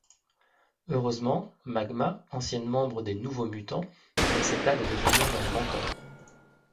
Heureusement, Magma, ancienne membre des Nouveaux Mutants, accepta de devenir leur mentor.